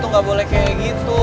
gak boleh kayak gitu